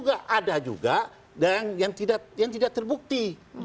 ada juga yang tidak terbukti